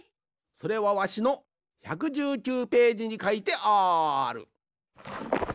それはわしの１１９ページにかいてある。